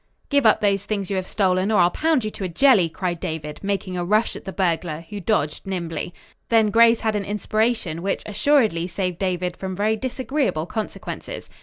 "Give up those things you have stolen, or I'll pound you to a jelly!" cried David, making a rush at the burglar, who dodged nimbly. Then Grace had an inspiration, which assuredly saved David from very disagreeable consequences.